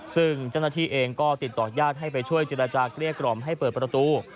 ซึ่งจรดิเองก็ติดต่อญาติให้ไปช่วยเจรจากเรียกรอบให้เปิดประตู